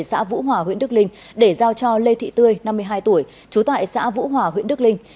xã vũ hòa huyện đức linh để giao cho lê thị tươi năm mươi hai tuổi trú tại xã vũ hòa huyện đức linh